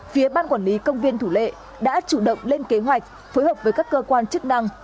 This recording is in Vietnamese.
phía ban quản lý công viên thủ lệ đã chủ động lên kế hoạch phối hợp với các cơ quan chức năng